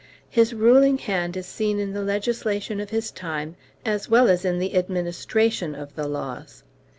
His ruling hand is seen in the legislation of his time, as well as in the administration of the laws.